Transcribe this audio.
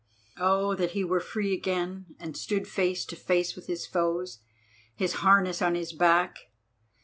Oh, that he were free again and stood face to face with his foes, his harness on his back!